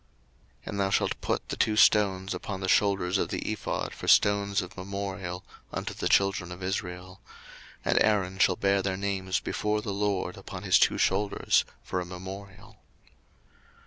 02:028:012 And thou shalt put the two stones upon the shoulders of the ephod for stones of memorial unto the children of Israel: and Aaron shall bear their names before the LORD upon his two shoulders for a memorial.